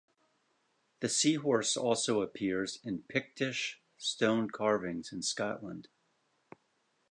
The sea-horse also appears in Pictish stone carvings in Scotland.